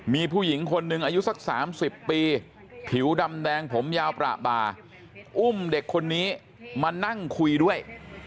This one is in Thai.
มีผู้หญิงคนหนึ่งอายุสัก๓๐ปีผิวดำแดงผมยาวประบาอุ้มเด็กคนนี้มานั่งคุยด้วย